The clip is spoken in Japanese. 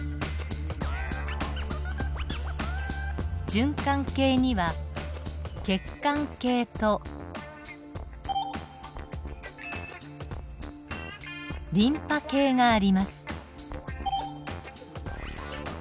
循環系には血管系とリンパ系があります。